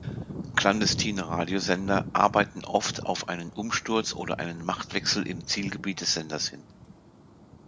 Clandestine-Radiosender arbeiten oft auf einen Umsturz oder einen Machtwechsel im Zielgebiet des Senders hin.